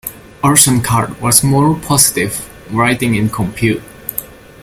Orson Scott Card was more positive, writing in Compute!